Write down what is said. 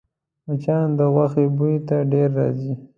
مچان د غوښې بوی ته ډېر راځي